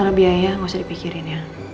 kalau biaya nggak usah dipikirin ya